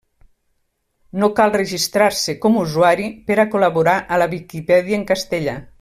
No cal registrar-se com usuari per a col·laborar a la Viquipèdia en castellà.